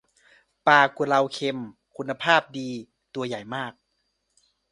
ปลากุเลาเค็มคุณภาพดี ตัวใหญ่มาก